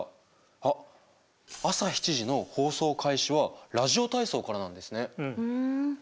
あっ朝７時の放送開始はラジオ体操からなんですね。